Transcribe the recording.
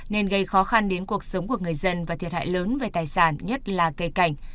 nên gây khó khăn đến cuộc sống của người dân và thiệt hại lớn về tài sản nhất là cây cảnh